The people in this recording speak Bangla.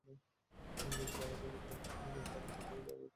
যদি তারা তোমাকে টাকা দেয়, তুমি কি আমার রুমেও ক্যামেরা লাগাবে?